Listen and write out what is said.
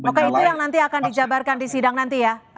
oke itu yang nanti akan dijabarkan di sidang nanti ya